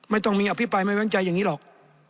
ไม่ต้องมีอภิปรายไม่ไว้ใจอย่างนี้หรอก